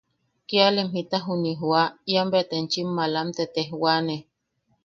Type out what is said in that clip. –Kiaalem jita juni jooa ian bea te enchim malam te tejwane.